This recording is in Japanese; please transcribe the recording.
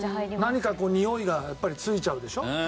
何かにおいがやっぱりついちゃうでしょ？